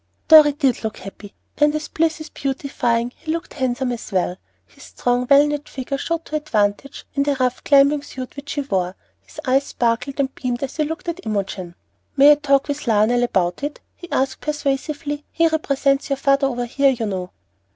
Dorry did look happy; and as bliss is beautifying, he looked handsome as well. His strong, well knit figure showed to advantage in the rough climbing suit which he wore; his eyes sparkled and beamed as he looked at Imogen. "May I talk with Lionel about it?" he asked, persuasively. "He represents your father over here, you know."